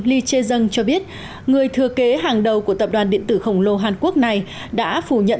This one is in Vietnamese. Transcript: lee chae jung cho biết người thừa kế hàng đầu của tập đoàn điện tử khổng lồ hàn quốc này đã phủ nhận